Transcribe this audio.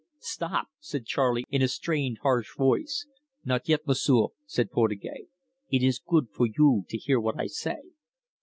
'" "Stop!" said Charley, in a strained, harsh voice. "Not yet, M'sieu'," said Portugais. "It is good for you to hear what I say."